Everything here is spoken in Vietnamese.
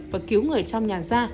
và cứu người trong nhà ra